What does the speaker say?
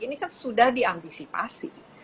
ini kan sudah diantisipasi